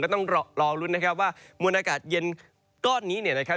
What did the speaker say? ต้องรอลุ้นนะครับว่ามวลอากาศเย็นก้อนนี้เนี่ยนะครับ